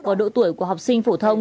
và độ tuổi của học sinh phổ thông